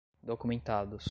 documentados